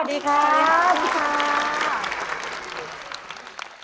สวัสดีครับ